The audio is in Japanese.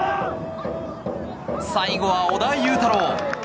最後は小田裕太郎！